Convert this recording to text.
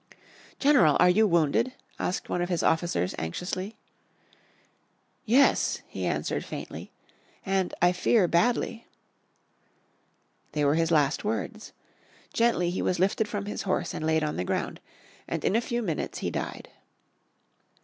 "General, are you wounded?" asked one of his officers, anxiously. "Yes," he answered, faintly, "and I fear badly." They were his last words. Gently he was lifted from his horse and laid on the ground, and in a few minutes he died.